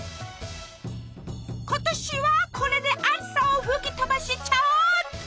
今年はこれで暑さを吹き飛ばしちゃおうっと！